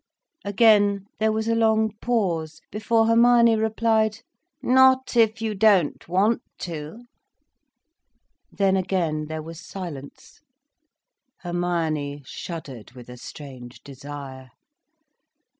Again there was a long pause, before Hermione replied: "Not if you don't want to." Then again there was silence. Hermione shuddered with a strange desire.